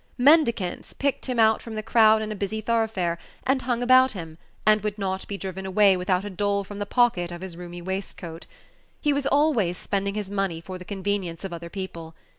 Mendicants picked him out from the crowd in a busy thoroughfare, and hung about him, and would not be driven away without a dole from the pocket of his roomy waistcoat. He was always spending his money for the convenience of other people.